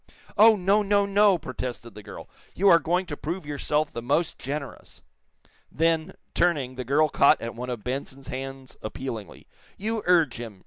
"Oh, no, no, no!" protested the girl. "You are going to prove yourself the most generous." Then, turning, the girl caught at one of Benson's hands appealingly. "You urge him!"